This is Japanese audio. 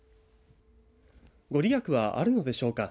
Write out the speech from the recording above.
御利益はあるのでしょうか。